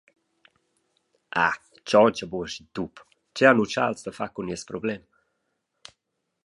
«Ah, tschontscha buc aschi tup, tgei han utschals da far cun nies problem?»